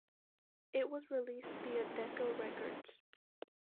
It was released via Decca Records.